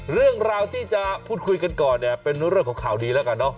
เรื่องราวที่จะพูดคุยกันก่อนเนี่ยเป็นเรื่องของข่าวดีแล้วกันเนอะ